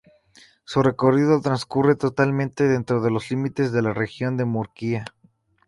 Su recorrido transcurre totalmente dentro de los límites de la Región de Murcia.